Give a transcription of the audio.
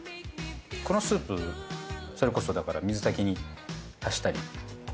このスープそれこそだから水炊きに足したり。